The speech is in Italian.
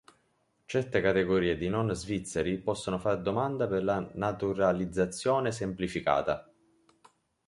Certe categorie di non svizzeri possono far domanda per la naturalizzazione semplificata.